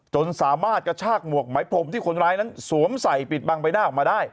จนสามารถกระชากหมวกไหมพรมที่คนร้ายนั้นสวมใส่ปิดบังใบหน้าออกมาได้